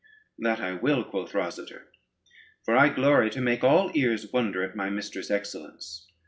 "That I will," quoth Rosader, "for I glory to make all ears wonder at my mistress' excellence."